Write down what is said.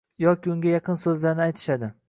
yoki shunga yaqin so‘zlarni aytishadi.